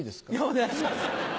お願いします。